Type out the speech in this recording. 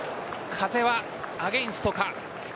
風はアゲンストか。